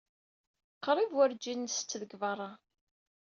Qrib werǧin nsett deg beṛṛa.